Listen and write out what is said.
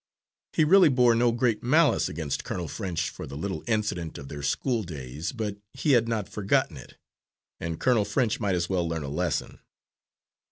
He really bore no great malice against Colonel French for the little incident of their school days, but he had not forgotten it, and Colonel French might as well learn a lesson.